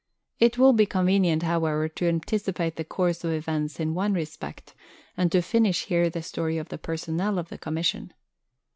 It will be convenient, however, to anticipate the course of events in one respect, and to finish here the story of the personnel of the Commission.